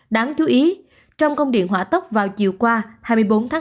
đáng chú ý trong công điện hỏa tốc vào chiều qua hai mươi bốn tháng bốn